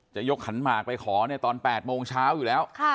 จะยกขันหมากไปขอตอน๘โมงเช้าอยู่แล้ว